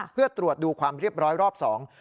เพื่อตรวจดูความเรียบร้อยรอบสอง